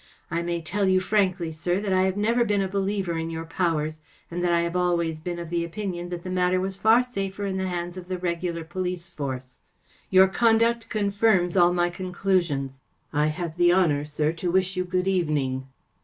I may tell you frankly, sir, that I have never been a believer in your powers, and that I have always been of the opinion that the matter was far safer in the hands of the regular police force. Your conduct confirms all my conclusions. I have the honour, sir, to wish you good evening."